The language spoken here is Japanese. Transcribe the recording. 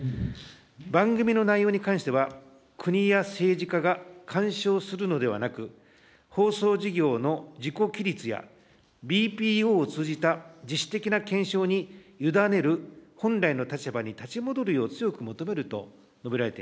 番組の内容に関しては、国や政治家が干渉するのではなく、放送事業の自己規律や、ＢＰＯを通じた自主的な検証に委ねる本来の立場に立ち戻るよう強く求めると述べられています。